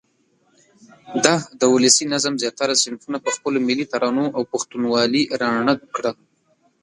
ده د ولسي نظم زیاتره صنفونه په خپلو ملي ترانو او پښتونوالې راڼه کړه.